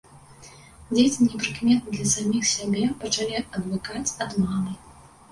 Дзеці непрыкметна для саміх сябе пачалі адвыкаць ад мамы.